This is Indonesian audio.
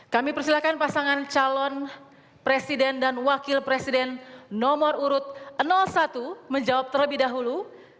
kami persilahkan pasangan calon presiden dan wakil presiden nomor urut satu menjawab terlebih dahulu